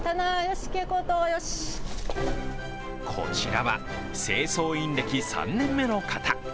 こちらは清掃員歴３年目の方。